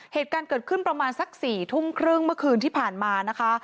เหตุการณ์เกิดขึ้นประมาณสัก๔ทุ่มครึ่งเมื่อคืนที่ผ่านมานะคะ